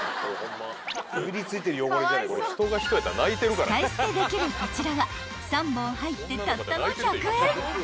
［使い捨てできるこちらは３本入ってたったの１００円］